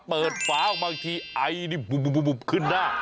เปิดฝาออกมาทีไอบุบขึ้นหน้า